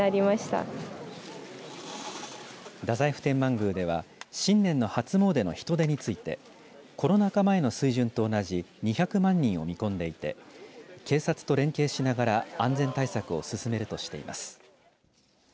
太宰府天満宮では新年の初詣の人出についてコロナ禍前の水準と同じ２００万人を見込んでいて警察と連携しながら安全対策を進めるとしています。